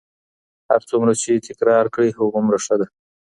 هر څومره چي تکرار کړئ هغومره ښه ده.